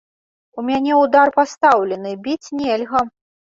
У мяне ўдар пастаўлены, біць нельга.